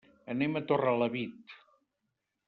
Anem a Torrelavit.